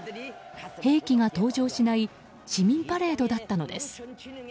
兵器が登場しない市民パレードだったのです。